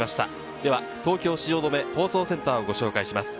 では東京・汐留、放送センターをご紹介します。